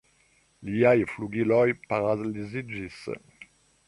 Liaj flugiloj paraliziĝis.